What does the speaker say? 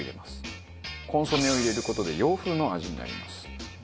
コンソメを入れる事で洋風の味になります。